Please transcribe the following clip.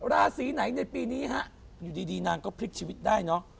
ราศีไหนในปีนี้ฮะอยู่ดีนางก็พลิกชีวิตได้เนอะ